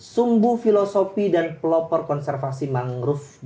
sumbu filosofi dan pelopor konservasi mangrove